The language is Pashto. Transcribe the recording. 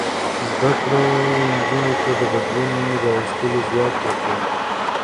زده کړه نجونو ته د بدلون راوستلو ځواک ورکوي.